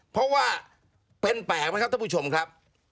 เพราะว่าเป็นแปลกไหมครับท่านผู้ชมครับ